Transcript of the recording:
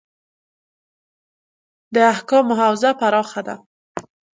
د احکامو حوزه پراخه ده.